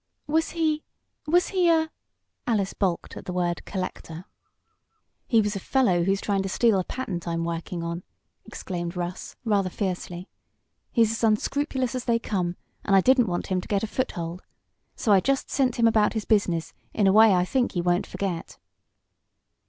"Was he was he a " Alice balked at the word "collector." "He was a fellow who's trying to steal a patent I'm working on!" exclaimed Russ, rather fiercely. "He's as unscrupulous as they come, and I didn't want him to get a foothold. So I just sent him about his business in a way I think he won't forget."